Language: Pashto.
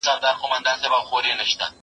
څرخ یې وخوړ او کږه سوه ناببره